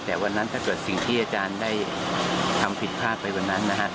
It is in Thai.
แต่วันนั้นถ้าเกิดสิ่งที่อาจารย์ได้ทำผิดพลาดไปกว่านั้นนะฮะ